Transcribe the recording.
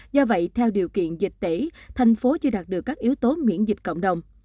do vậy theo điều kiện dịch tễ thành phố chưa đạt được các yếu tố miễn dịch cộng đồng